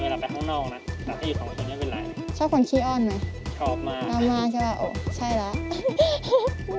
เรามากจะแบบโอ๊ยใช่แล้ว